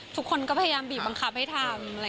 ทุกคนก็พยายามบีบบังคับให้ทำ